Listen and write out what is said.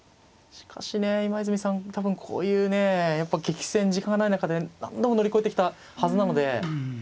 しかしね今泉さん多分こういうねやっぱ激戦時間がない中で何度も乗り越えてきたはずなので。